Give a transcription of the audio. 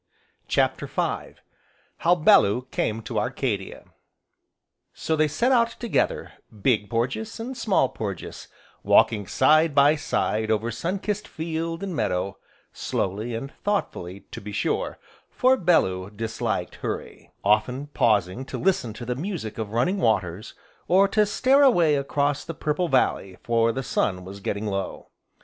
CHAPTER V How Bellew came to Arcadia So, they set out together, Big Porges and Small Porges, walking side by side over sun kissed field and meadow, slowly and thoughtfully, to be sure, for Bellew disliked hurry; often pausing to listen to the music of running waters, or to stare away across the purple valley, for the sun was getting low.